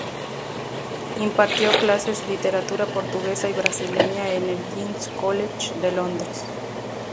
Impartió clases literatura portuguesa y brasileña en el King's College de Londres.